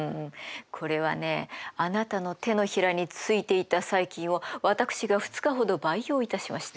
これはねあなたの手のひらについていた細菌を私が２日ほど培養いたしました。